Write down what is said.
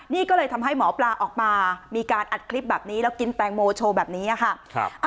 นี่ก็เลยทำให้หมอปลาออกมามีการอัดคลิปแบบนี้แล้วกินแตงโมโชว์แบบนี้ค่ะ